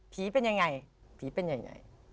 เป็นยังไงผีเป็นยังไง